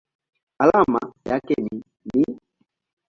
Alama yake ni Ni.